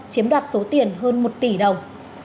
chiếm đoạt số tiền hơn một tỷ đồng